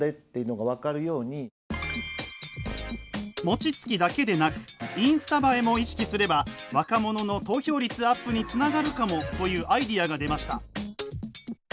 もちつきだけでなくインスタ映えも意識すれば若者の投票率アップにつながるかもというアイデアが出ました。